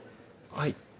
はい。